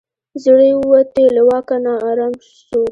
زړه یې ووتی له واکه نا آرام سو